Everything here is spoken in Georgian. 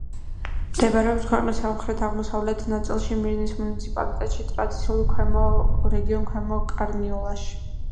მდებარეობს ქვეყნის სამხრეთ-აღმოსავლეთ ნაწილში, მირნის მუნიციპალიტეტში, ტრადიციულ რეგიონ ქვემო კარნიოლაში.